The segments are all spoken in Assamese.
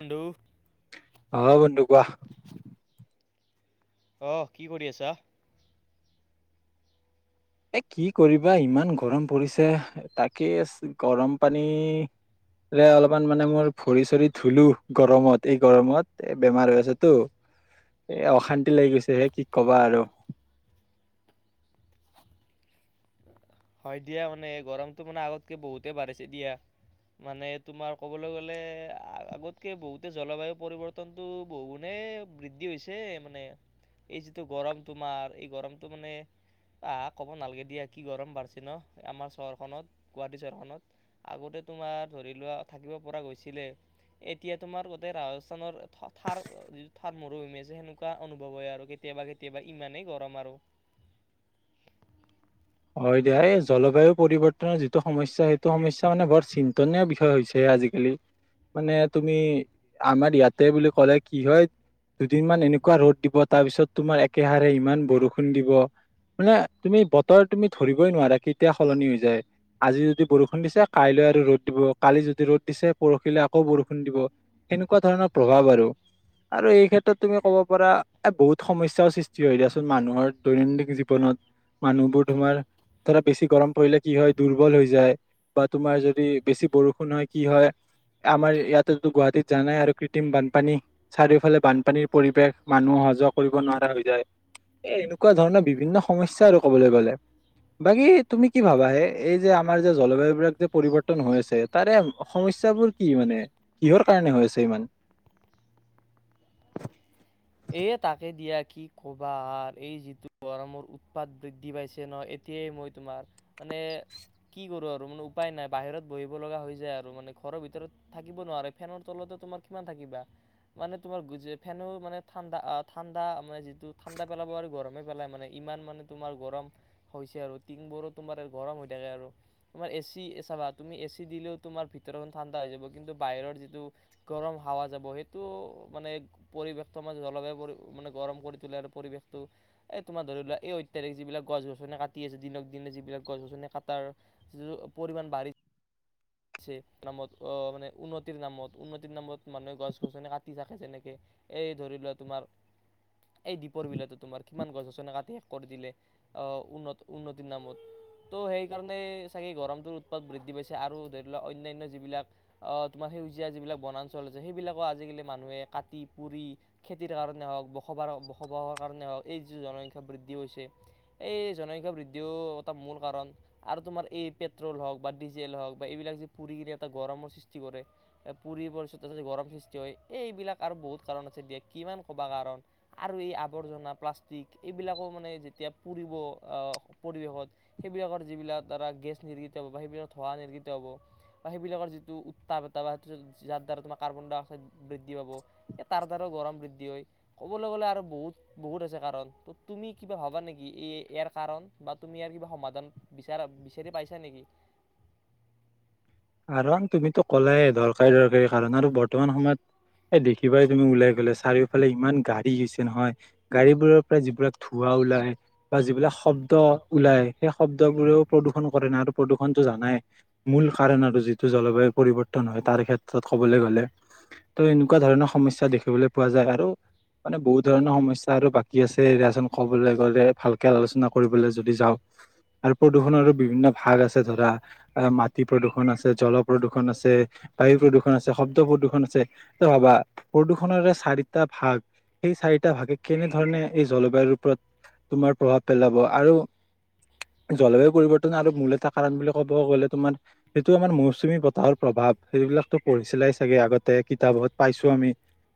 বন্ধু অহ বন্ধু কোৱা? অহ কি কৰি আছা? এ কি কৰিবা ইমান গৰম পৰিছে তাকে গৰম পানীৰে অলপমান মানে মোৰ ভৰি চৰি ধুলো গৰমত, এই গৰমত এ বেমাৰ হৈ আছেতো এ অশান্তি লাগি গৈছে। হে কি কবা আৰু হয় দিয়া মানে গৰমতটো মানে আগতকৈ বহুতে বাঢ়িছে দিয়া মানে তোমাৰ কবলৈ গলে আগতকে বহুতে জলবায়ু পৰিৱৰ্তনতটো বহুগুণে বৃদ্ধি হৈছে মানে এই যিটো গৰম তোমাৰ এই গৰমতটো মানে আহা ক'ব নালাগে দিয়া কি গৰম বাঢ়িছে। চি ন আমাৰ চহৰখনত গুৱাহাটী চহৰখনত আগতে তোমাৰ ধৰি লোৱা থাকিব পৰা গৈছিলে। এতিয়া তোমাৰ গোটেই ৰাজস্থানৰ থাৰ যিটো থাৰ মৰুভূমি আছে, সেনেকুৱা অনুভৱ হয় আৰু কেতিয়াবা কেতিয়াবা ইমানেই গৰম আৰু। হয় দিয়া এই জলবায়ু পৰিৱৰ্তনৰ যিটো সমস্যা সেইটো সমস্যা মানে বৰ চিন্তনীয় বিষয় হৈছে আজিকালি মানে, তুমি আমাৰ ইয়াতে বুলি কলে কি হয় দুদিন মান এনেকুৱা ৰ'দ দিব তাৰ পিছত তোমাৰ একেহাৰে ইমান বৰষুণ দিব মানে তুমি বত বতৰ তুমি ধৰিবই নোৱাৰা কেতিয়া সলনি হৈ যায়। আজি যদি বৰষুণ দিছে কাইলৈ আৰু ৰ'দ দিব কালি যদি ৰ'দ দিছে পৰহিলে আকৌ বৰষুণ দিব সেনেকুৱা ধৰণৰ প্ৰভাৱ আৰু আৰু এই ক্ষেত্ৰত তুমি ক'ব পাৰা বহুত সমস্যাও সৃষ্টি হয় দিয়াচোন। মানুহৰ দৈনন্দিন জীৱনত মানুহবোৰ তোমাৰ ধৰা বেছি গৰম পৰিলে কি হয় দুৰ্বল হৈ যায় বা তোমাৰ যদি বেছি বৰষুণ হয় কি হয় আমাৰ ইয়াতেতো গুৱাহাটীত জানাই আৰু কৃত্ৰিম বানপানী চাৰিওফালে বানপানীৰ পৰিৱেশ মানুহ অহা যোৱা কৰিব নোৱাৰা হৈ যায় এ এনেকুৱা ধৰণৰ বিভিন্ন সমস্যা আৰু কব'লৈ গ'লে। বাকী তুমি কি ভাবাহে এই যে আমাৰ যে জলবায়ু বিলাক যে পৰিৱৰ্তন হৈ আছে তাৰে সমস্যাবোৰ কি মানে কিহৰ কাৰনে হৈ আছে ইমান? এ তাকে দিয়া কি ক'বা। এই যিটো গৰমৰ উৎপাত বৃদ্ধি পাইছে ন, এতিয়াই মই তোমাৰ মানে কি কৰো আৰু মানে উপায় নাই বাহিৰত বহিব লগা হৈ যায় আৰু মানে ঘৰৰ ভিতৰত থাকিব নোৱাৰে ফেনৰ তলতে তোমাৰ কিমান থাকিবা মানে তোমাৰ ফেনো মানে ঠাণ্ডা আ ঠাণ্ডা মানে যিট ঠাণ্ডা পেলাব আৰু গৰমে মানে ইমান মানে তোমাৰ গৰম হৈছে আৰু টিনবোৰো তোমাৰ গৰম হৈ থাকে আৰু তোমাৰ এ চি চাবা এ চি দিলেও তোমাৰ ম ভিতৰখন ঠাণ্ডা হৈ যাব কিন্তু বাহিৰৰ যিটো গৰম হাৱা যাব সেইটো মানে পৰিবেশৰ তোমাৰ জলবায়ু পৰি মানে গৰম কৰি তোলে আৰু পৰিৱেশটো এই তোমাৰ ধৰি লোৱা এই অত্যাধিক যিবিলাক গছ গছনি কাটি আছে দিনক দিনে যিবিলাক গছ গছনি কাটাৰ যিটো পৰিমাণ বাঢ়ি। ছে নামত আহ মানে উন্নতিৰ নামত উন্নতিৰ নামত মানুহে গছ গছনি কাটি থাকে, যেনেকে এই ধৰি লোৱা তোমাৰ এই দ্বীপৰ বিলতে তোমাৰ কিমান গছ গছনি কাটি শেষ কৰি দিলে। অ উন্ন উন্নতিৰ নামত ত' সেই কাৰণে চাগে গৰমটোৰ উৎপাত বৃদ্ধি পাইছে আৰু অন্যান্য যিবিলাক তোমাৰ সেউজীয়া যিবিলাক বনাঞ্চল আছে, সেইবিলাকো আজিকালি মানুহে কাটি পুৰি খেতিৰ কাৰণে হওক, বসবাস বসবাসৰ কাৰণে হওক এই যি জনসংখ্যা বৃদ্ধি হৈছে। এই জনসংখ্যা বৃদ্ধিও এটা মূল কাৰণ আৰু তোমাৰ এই পেট্ৰল হওঁক বা ডিজেল হওঁক বা এইবিলাক যে পুৰি কিনে এটা গৰমৰ সৃষ্টি কৰে পুৰি পছত গৰম সৃষ্টি হয় এই এইবিলাক আৰু বহুত কাৰণ আছে দিয়া কিমান ক'বা কাৰণ আৰু এই আৱৰ্জনা প্লাষ্টিক এইবিলাকো মানে যেতিয়া পুৰিব পৰিৱেশত সেইবিলাকৰ যিবিলাকা গেছ নিৰ্গিত হ'ব বা সেইবিলাক ধোঁৱা নিৰ্ বা সেইবিলাকৰ যিটো উত্তাপ এটা বা সেইটো যাৰ দ্বাৰা তোমাৰ কাৰ্বন ডাই অক্সাইড বৃদ্ধি পাব এই তাৰ দ্বাৰাও গৰম বৃদ্ধি হয় কবলৈ গলে আৰু বহুত বহুত আছে কাৰণ ত তুমি কিবা ভবা নেকি এই ইয়াৰ কাৰণ বা তুমি ইয়াৰ কিবা সমাধান বিচাৰ বিচাৰি পাইছা নেকি কাৰণ তুমিতো ক'লাই দৰকাৰী দৰকাৰী কাৰণ আৰু বৰ্তমান সময়ত এ দেখিবাই তুমি ওলাই গ'লে চাৰিওফালে ইমান গাড়ী হৈছে নহয় গাড়ীবোৰৰ পৰা যিবিলাক ধোঁৱা ওলাই বা যিবিলাক শব্দ ওলাই সেই শব্দ বোৰেও প্ৰদূৰ্ষন কৰে নাই আৰু প্ৰদূৰ্ষনতটো জানাই মূল কাৰণ আৰু যিটো জলবায়ু পৰিৱৰ্তন হয় তাৰ ক্ষেত্ৰত ক'বলৈ গ'লে ত এনেকুৱা ধৰণৰ সমস্যাৰ দেখিবলৈ পোৱা যায় আৰু মানে বহুত ধৰণৰ সমস্যাৰ বাকী আছে এয়াচন ক'বলৈ গ'লে ভালকে আলোচনা কৰিবলৈ যদি যাওঁ আৰু প্ৰদূষণৰো বিভিন্ন ভাগ আছে ধৰা তি প্ৰদূৰণ আছে জল প্ৰদূৰ্ষণ আছে বায়ু প্ৰদূৰণ আছে শব্দ প্ৰদূষণ আছে ভাবা প্ৰদূৰষণৰৰে চাৰিটা ভাগ সেই চাৰিটা ভাগে কেনেধৰণে এই জলবায়ুৰ ওপৰত তোমাৰ প্ৰভাৱ পেলাব আৰু জলবায়ু পৰিৱৰ্তন আৰু মূল এটা কাৰণ বুলি ক'ব গ'লে তোমাৰ সেইটো আমাৰ মৌচুমী বতাহৰ প্ৰভাৱ সেইবিলাকো পঢ়িছিলাই চাগে আগতে কিতাপত পাইছো আমি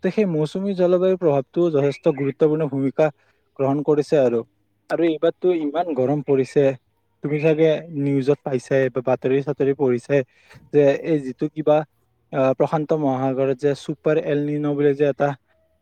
ত সেই মৌচুমী জলবায়ুৰ প্ৰভাৱটো যথেষ্ট গুৰুত্বপূৰ্ণ ভূমিকা গ্ৰহণ কৰিছে আৰু আৰু এইবাৰতটো ইমান গৰম পৰিছে তুমি চাগে নিউজত পাইছে বা বাতৰি- ছাতৰি পঢ়িছে যে এই যিটো কিবা অঁ প্ৰশান্ত মহাসাগৰত যে চুপাৰ এল ন বুলি যে এটা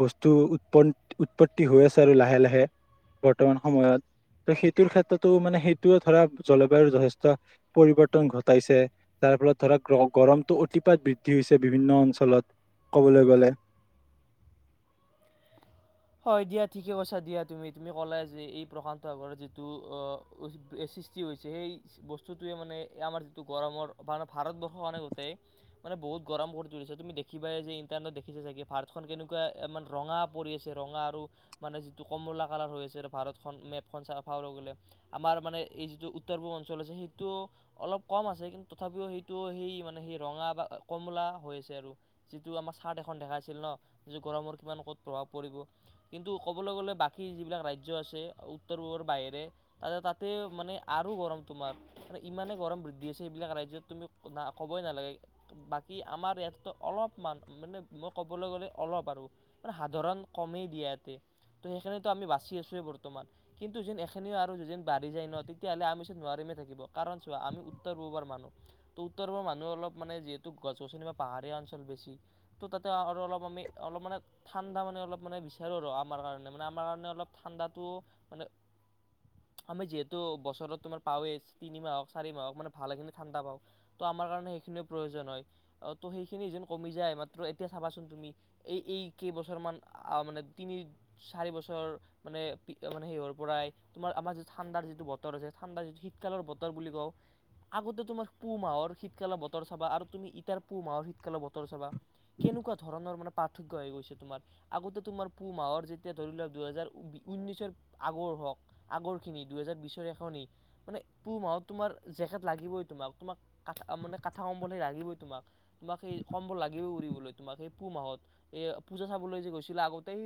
বস্তু উৎপন উৎপত্তি হৈ আছে আৰু লাহে লাহে বৰ্তমান সময়ত ত সেইটোৰ ক্ষেত্ৰতো মানে সেইটো ধৰা জলবায়ুৰ যথেষ্ট পৰিৱৰ্তন ন ঘটাইছে যাৰ ফলত ধৰক গৰমটো অতিপাত বৃদ্ধি হৈছে বিভিন্ন অঞ্চলত কবলৈ গলে হয় দিয়া ঠিকে কৈছা দিয়া তুমি তুমি ক'লে যে এই প্ৰশান্ত সাগৰত যিটো অঁ সৃষ্টি হৈছে সেই বস্তুটোৱে মানে আমাৰ যিটো গৰমৰ মে ভাৰতবৰ্ষৰ কাৰণে গোটেই মানে বহুত গৰম কৰি তুলিছে তুমি দেখিবা যে ইণ্টাৰনেটত দেখিছা চাগে ভাৰতখন কেনেকুৱা ৰঙা পৰি আছে ৰঙা আৰু মানে যিটো কমলা কালাৰ হৈ আছে ভাৰতখন মেপখন চাবলৈ গ'লে আমাৰ মানে এই যিটো উত্তৰ পূব অঞ্চল আছে সেইটো অলপ কম আছে কিন্তু তথাপিও সেইটো সেই মানে সেই ৰঙা বা কমলা হৈ আছে আৰু যিটো আমাৰ ৰ্চাত এখন দেখাইছিল ন যে গৰমৰ কিমান ক'ত প্ৰভাৱ প পৰিব কিন্তু ক'বলৈ গ'লে বাকী যিবিলাক ৰাজ্য আছে উত্তৰ পূবৰ বাহিৰে তাতে তাতে মানে আৰু গৰম তোমাৰ ইমানেই গৰম বৃদ্ধি আছে এইবিলাক ৰাজ্যত তুমি না ক'বই নালাগে বাকী আমাৰ ইয়াততো অলপমান মানে মই ক'বলৈ গ'লে অলপ আৰু মানে সাধাৰণ কমেই দিয়া ইয়াতে তো সেইখিনিতো আমি বাচি আছোৱেই বৰ্তমান কিন্তু যেন এখিনিও আৰু যেন বাঢ়ি যায় ন তেতিয়াহ'লে আমি যে নোৱাৰিমেই থাকিব কাৰণ চোৱা আমি উত্তৰ পূবৱৰ মানুহ তো উত্তৰ পূব মানুহ অলপ মানে যিহেতু গছ গছনি বা পাহাৰীয়া অঞ্চল বেছি ত' তাতে আৰু অলপ আমি অলপ মানে ঠাণ্ডা মানে অলপ মানে বিচাৰোঁ ৰ আমাৰ কাৰণে মানে আমাৰ কাৰণে অলপ ঠাণ্ডাটো মানে আমি যিহেতু বছৰত তোমাৰ পাওঁৱেই তিনিমাহ হক চাৰি মাহ হওক মানে ভালেখিনি ঠাণ্ডা পাওঁ ত' আমাৰ কাৰণে সেইখিনিও প্ৰয়োজন হয় ত' সেইখিনি যেন কমি যায় মাত্ৰ এতিয়া চাবাচোন তুমি এই এই কেইবছৰমান মানে তিনি চাৰি বছৰ মানে মানে সেইৰ পৰাই তোমাৰ আমাৰ যিটো ঠাণ্ডাৰ যিটো বতৰ আছে ঠাণ্ডাৰ যিটো শীতকালৰ বতৰ বুলি কওঁ আগতে তোমাৰ পুহ মাহৰ শীতকালৰ বতৰ চাবা আৰু তুমি ইটাৰ পুহ মাহৰ শীতকালৰ বতৰ চাবা কেনেকুৱা ধৰণৰ মানে পাৰ্থক্য হৈ গৈছে তোমাৰ আগতে তোমাৰ পুহ মাহৰ যেতিয়া ধৰি লওঁক দুহেজাৰ ঊনৈছৰ আগৰ হওঁক আগৰখিনি দুহেজাৰ বিছৰ এখনি মানে পুহ মাহত তোমাৰ জেকেট লাগিবই তোমাক তোমাক কাঠা মানে কাঠা কম্বল সেই লাগিবই তোমাক তোমাক সেই কম্বল লাগিবই উৰিবলৈ তোমাক সেই পুহ মাহত এই পূজা চাবলৈ যে গৈছে আগতেই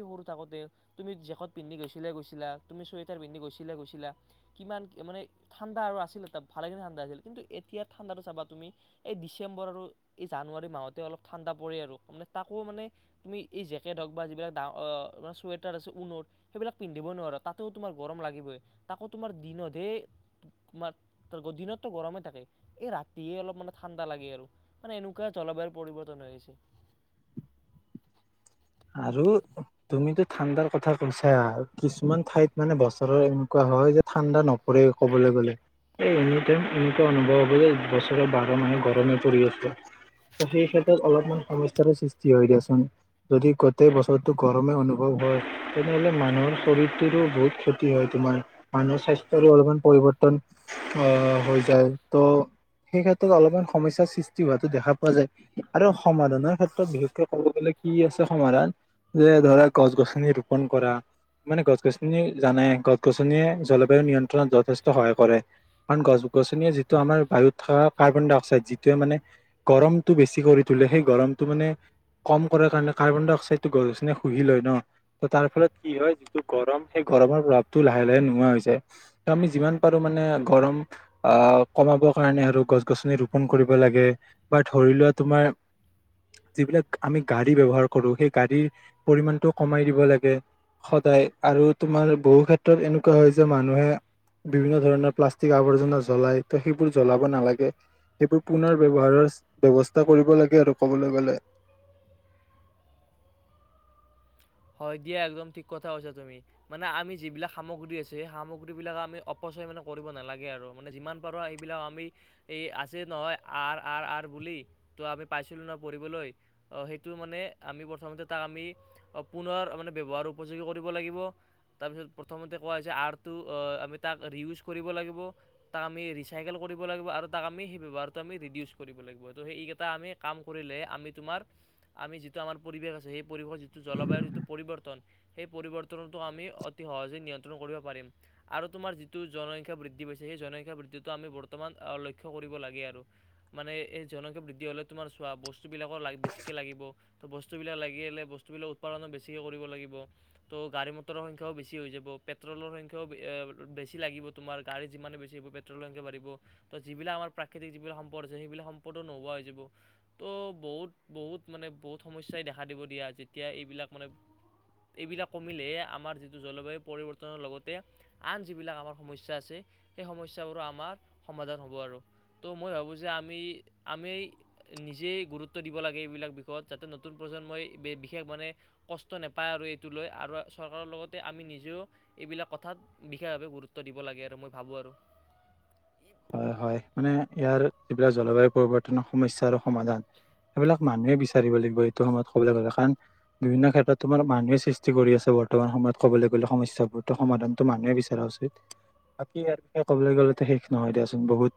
তুমি জেকেট পিন্ধি গৈছিলা, তুমি ছুৱেটাৰ পিন্ধি গৈছিলা। কিমান ঠান্দা আছিল কিন্ত এতিয়া ঠানদাতো চাবা তুমি এই ডিচেম্বৰ আৰু জানুৱাৰী মাহতে আৰু তা আকৌ মানে এই জেকেট হওঁক বা যিবিলাকা চুৱেটাৰ আছে ঊণৰ সেইবিলাক পিন্ধিব নোৱাৰো তাতেও তোমাৰ গৰম লাগিবই তাকো তোমাৰ দিনতহে দিনতো গৰমে থাকে এই ৰাতিয়ে অলপ মানে ঠাণ্ডা লাগে আৰু মানে এনেকুৱা জলবায়ুৰ পৰিৱৰ্তন হৈ আহিছে। আৰু তুমিতো ঠাণ্ডাৰ কথা কৈছা কিছুমান ঠাইত মানে বছৰৰ এনেকুৱা হয় যে ঠাণ্ডা নপৰে কবলৈ গলে এই এনেকুৱা অনুভৱ হব যে বছৰৰ বাৰৰ মানুহ গৰমে পৰি আছে সেই ক্ষেত্ৰত অলপমান সমস্যাৰো সৃষ্টি হয় দিয়াচোন। যদি গোটেই বছৰটো গৰমে অনুভৱ হয় তেনেহলে মানুহৰ শৰীৰটোৰো বহুত ক্ষতি হয় তোমাৰ মানুহৰ স্বাস্থ্যৰো অলপমান পৰিৱৰ্তন অঁ হৈ যায় ত' সেই ক্ষেত্ৰত অলপমান সমস্যাৰ সৃষ্টি হোৱা দেখা পোৱা যায় আৰু সমাধানৰ ক্ষেত্ৰত বিশেষকে কব'লে গ'লে কি আছে সমাধান যে ধৰা গছ গছনি ৰুপন কৰা মানে গছ -গছনি জানে গছ- গছনিয়ে জলবায়ু নিয়ন্ত্ৰণত যথেষ্ট সহায় কৰে। কাৰণ গছ গছনিয়ে যিটো আমাৰ বায়ুত থকা কাৰ্বন -ডাই -অক্সাইড যিটোৱে মানে গৰমটো বেছি কৰি তোলে। সেই গৰমটো মানে কম কৰ কাৰণে কাৰ্বন ডাই অক্সাইডটো গছ গছনি শুহি লয় ন ত তাৰ ফলত কি হয় যিটো গৰম সেই গৰমৰ প্ৰভাৱটো লাহে লাহে নোহোৱা হৈ যায় ত আমি যিমান পাৰো মানে গৰম আহ কমাবৰ কাৰণে আৰু গছ গছনি ৰোপন কৰিব লাগে বা ধৰি লোৱা তোমাৰ যিবিলাক আমি গাড়ী ব্যৱহাৰ কৰোঁ সেই গাড়ীৰ পৰিমাণটো কমাই দিব লাগে সদায় আৰু তোমাৰ বহু ক্ষেত্ৰত এনেকুৱা হয় যে মানুহে বিভিন্ন ধৰণৰ প্লাষ্টিক আৱৰ্জনা জ্বলায় ত সেইবোৰ জ্বলাব নালাগে সেইবোৰ পুনৰ ব্যৱহাৰৰ ব্যৱস্থা কৰিব লাগে আৰু ক'বলৈ গ'লে হয় দিয়া একদম ঠিক কথা কৈছা তুমি মানে আমি যিবিলাক সামগ্ৰী আছে সেই সামগ্ৰী বিলাক আমি অপচয় মানে কৰিব নালাগে আৰু মানে যিমান পাৰো সেইবিলাক আমি এই আছে নহয় আৰ আৰ আৰ বুলি ত' আমি পাইছিলো ন পঢ়িবলৈ সেইটো মানে আমি প্ৰথমতে তাক আমি পুনৰ মানে ব্যৱহাৰ উপযোগী কৰিব লাগিব তাৰপিছত প্ৰথমতে কোৱা হৈছে আটো আমি তাক ৰিইউজ কৰিব লাগিব তাক আমি ৰিচাইকেল কৰিব লাগিব আৰু তাক আমি সেই ব্যৱহাৰটো আমি ৰিডিউজ কৰিব লাগিব তো সেইকেইটা আমি কাম কৰিলে আমি তোমাৰ আমি যিটো আমাৰ পৰিৱেশ আছে সেই পৰিৱেশৰ যিটো যটো জলবায়ুৰ যিটো পৰিৱৰ্তন সেই পৰিৱৰ্তনটো আমি অতি সহজে নিয়ন্ত্ৰণ কৰিব পাৰিম আৰু তোমাৰ যিটো জনসংখ্যা বৃদ্ধি পাইছে সেই জনসংখ্যা বৃদ্ধিটো আমি বৰ্তমান লক্ষ্য কৰিব লাগে আৰু মানে এই জনসংখ্যা বৃদ্ধি হ'লে তোমাৰ চোৱা বস্তুবিলাকৰ ল বেছিকৈ লাগিব ত' বস্তুবিলাক লাগিলে বস্তু বস্তুবিলাক উৎপাদনো বেছিকৈ কৰিব লাগিব তো গাড়ী মটৰৰ সংখ্যাও বেছি হৈ যাব পেট্ৰলৰ সংখ্যাও বেছি লাগিব তোমাৰ গাড়ী যিমানে বেছি হ'ব পেট্ৰলৰ সংখ্যা বাঢ়িব তো যিবিলাক আমাৰ প্ৰাকৃতিক যিবিলাক সম্পদ আছে সেইবিলাক সম্পদো নোহোৱা হৈ যাব তো বহুত বহুত মানে বহুত সমস্যাই দেখা দিব দিয়া আজি এতিয়া এইবিলাক মানে এইবিলাক কমিলেহে আমাৰ যিটো জলবায়ু পৰিৱৰ্তনৰ লগতে আন যিবিলাক আমাৰ সমস্যা আছে সেই সমস্যাবোৰৰ আমাৰ সমাধান হ'ব আৰু ত' মই ভাবোঁ যে আমি আমি নিজেই গুৰুত্ব দিব লাগে এইবিলাক বিষয়ত যাতে নতুন প্ৰজন্মই বিশেষ মানে কষ্ট নাপায় আৰু এইটো লৈ আৰু চৰকাৰৰ লগতে আমি নিজেও এইবিলাক কথাত বিশেষভাৱে গুৰুত্ব দিব লাগে আৰু মই ভাবোঁ আৰু। হয় হয় মানে ইয়াৰ যিবিলাক জলবায়ু পৰিবৰ্তনৰ সমস্যা আৰু সমাধান সেইবিলাক মানুহে বিচাৰিব লাগিব এইটো সময়ত কবলৈ গলে কাৰণ বিভিন্ন ক্ষেত্ৰত তোমাৰ মানুহে সৃষ্টি কৰি আছে বৰ্তমান সময়ত কবলৈ গ'লে সমস্যা বোৰো সমাধানতো মানুহে বিচৰা উচিত বাকী ইয়াৰ বিষয়ে কবলৈ গ'লেটো নহয় দিয়াচোন বহুত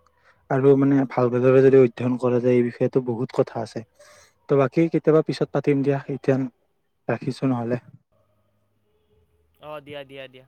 আৰু মানে ভালদৰে যদি অধ্যয়ন কৰা যায় এই বিষয়ো বহুত কথা আছে ত' বাকী কেতিয়াবা পিছত পাতিম দিয়া এতিয়া ৰাখিছো নহলে অ দিয়া দিয়া দিয়া